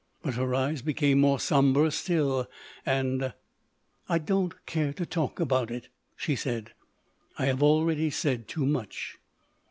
But her eyes became more sombre still, and, "I don't care to talk about it," she said. "I have already said too much."